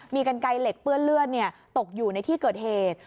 มีกันไกลเหล็กเปื้อนเลือดตกอยู่ในที่เกิดเหตุ